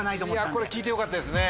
これ聞いてよかったですね。